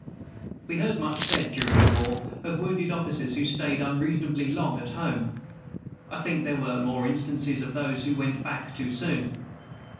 We heard much said, during the war, of wounded officers who stayed unreasonably long at home. I think there were more instances of those who went back too soon.